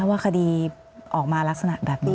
ว่าคดีออกมาลักษณะแบบนี้